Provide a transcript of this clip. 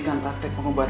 ganteng mengubah mu itu